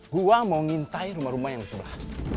gue mau ngintai rumah rumah yang di sebelah